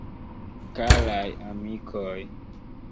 Karaj amikoj!